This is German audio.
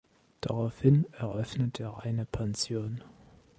Daraufhin eröffnet er eine Pension.